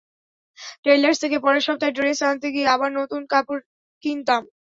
Tailors থেকে পরের সপ্তাহে ড্রেস আনতে গিয়ে আবার নতুন কাপড় কিনতাম।